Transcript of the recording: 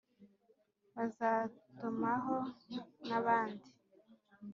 bazatumaho n’abandi